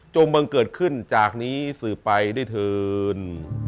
บังเกิดขึ้นจากนี้สืบไปด้วยเถิน